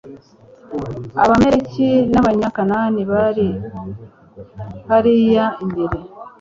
abamaleki n abanyakanani bari hariya imbere